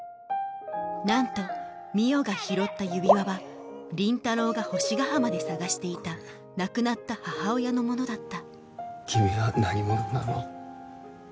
なんと海音が拾った指輪は倫太郎が星ヶ浜で探していた亡くなった母親のものだった君は何者なの？